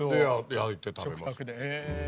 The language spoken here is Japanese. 焼いて食べます。